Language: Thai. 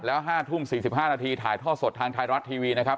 แล้ว๕ทุ่ม๔๕นาทีถ่ายท่อสดทางไทยรัฐทีวีนะครับ